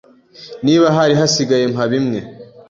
Niba hari hasigaye, mpa bimwe.